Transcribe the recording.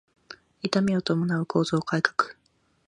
痛みを伴う構造改革